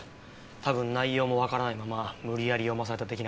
多分内容もわからないまま無理やり読まされた的な感じ。